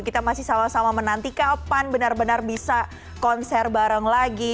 kita masih sama sama menanti kapan benar benar bisa konser bareng lagi